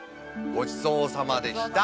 ごちそうさまでした。